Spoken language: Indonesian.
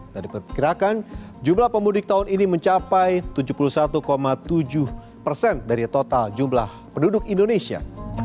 dari perpikirakan jumlah pemudik tahun ini mencapai tujuh puluh satu tujuh dari total jumlah penduduk indonesia